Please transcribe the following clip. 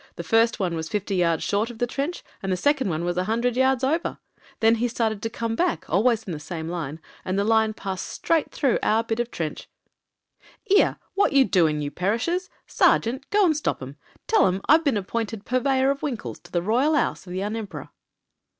THE CONTRAST 267 was fifty yards short of the trench, and the second was a hundred yards oven Then he started to come back — always in the same line; and the line passed straight through our bit of the trench. "* 'Ere, wot yer doing, you perishers ? Sargint, go and stop *em. Tell *em I've been appointed purveyor of winkles to the Royal 'Ouse of the 'Uh Emperor.'